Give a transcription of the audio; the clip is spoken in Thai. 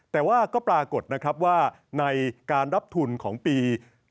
แต่ว่าก็ปรากฏนะครับว่าในการรับทุนของปี